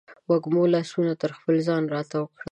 وږمو لاسونه تر خپل ځان راتاو کړل